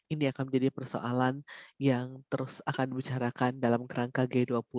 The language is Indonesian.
ini akan menjadi persoalan yang terus akan dibicarakan dalam kerangka g dua puluh